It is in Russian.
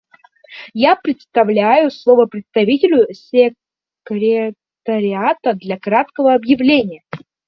Я предоставляю слово представителю Секретариата для краткого объявления.